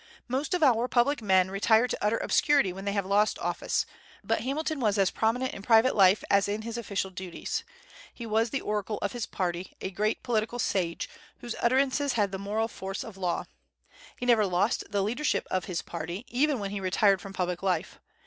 Most of our public men retire to utter obscurity when they have lost office, but Hamilton was as prominent in private life as in his official duties. He was the oracle of his party, a great political sage, whose utterances had the moral force of law. He never lost the leadership of his party, even when he retired from public life.